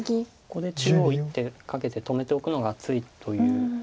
ここで中央１手かけて止めておくのが厚いという。